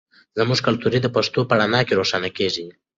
زموږ کلتور د پښتو په رڼا کې روښانه کیږي.